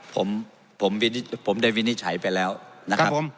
ผมผมได้วินิจฉัยไปแล้วนะครับ